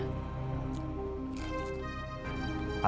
kata kang bahar